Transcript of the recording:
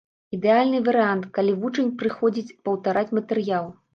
Ідэальны варыянт, калі вучань прыходзіць паўтарыць матэрыял.